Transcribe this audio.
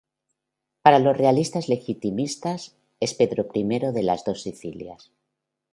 Para los realistas legitimistas es Pedro I de las Dos Sicilias.